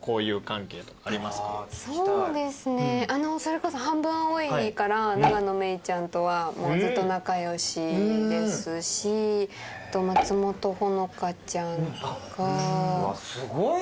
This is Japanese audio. そうですねそれこそ『半分、青い。』から永野芽郁ちゃんとはもうずっと仲良しですし松本穂香ちゃんとか。